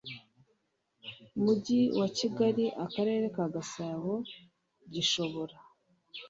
mujyi wa kigali akarere ka gasabo gishobora